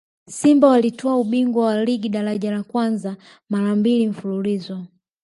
simba walitwaa ubingwa wa ligi daraja la kwanza mara mbili mfululizo